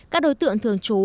các đối tượng thường trú